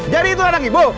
jadi itu anak ibu